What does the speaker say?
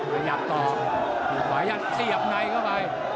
ขยับต่อขวายัดเสียบในเข้าไป